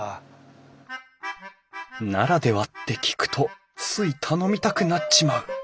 「ならでは」って聞くとつい頼みたくなっちまう！